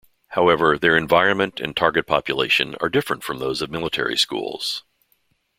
However, their environment and target population are different from those of military schools.